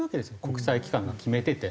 国際機関が決めてて。